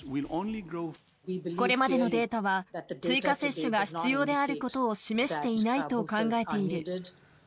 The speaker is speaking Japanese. これまでのデータは、追加接種が必要であることを示していないと考えている。